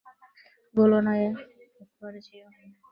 ভুলো না, একবার যেয়ো।